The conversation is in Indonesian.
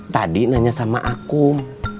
tadi nanya sama akum